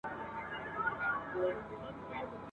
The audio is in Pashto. ښځي وویل ژر وزه دم تر دمه ..